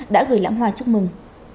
đã gửi lãng hoà chúc mừng